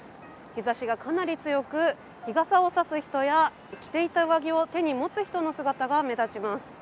日ざしがかなり強く日傘を差す人や着ていた上着を手に持つ人の姿が目立ちます。